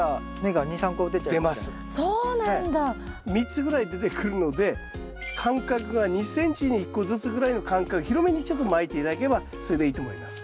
３つぐらい出てくるので間隔が２ｃｍに１個ずつぐらいの間隔広めにちょっとまいて頂ければそれでいいと思います。